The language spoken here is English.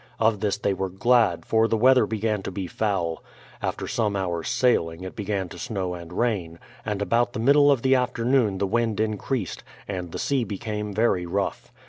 Of this they were glad, for the weather began to be foul. After some hours' sailing, it began to snow and rain, and about the middle of the afternoon the wnnd increased, and the sea became very rough.